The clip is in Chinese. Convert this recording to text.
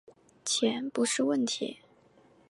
钱不是问题